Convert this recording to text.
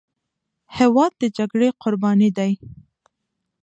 هېواد د جګړې قرباني دی.